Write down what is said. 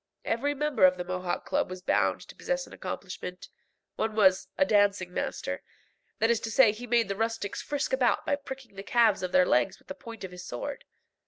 Every member of the Mohawk Club was bound to possess an accomplishment. One was "a dancing master;" that is to say he made the rustics frisk about by pricking the calves of their legs with the point of his sword.